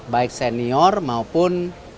baik senior maupun